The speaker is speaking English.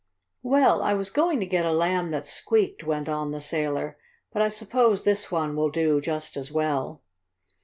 "Well, I was going to get a Lamb that squeaked," went on the sailor, "but I suppose this one will do just as well."